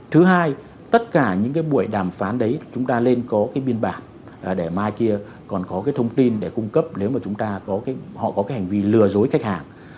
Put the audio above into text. thứ hai tất cả những cái buổi đàm phán đấy chúng ta lên có cái biên bản để mai kia còn có cái thông tin để cung cấp nếu mà chúng ta họ có cái hành vi lừa dối khách hàng